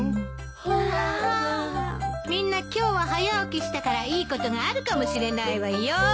みんな今日は早起きしたからいいことがあるかもしれないわよ。